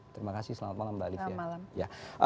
terima kasih selamat malam mbak livia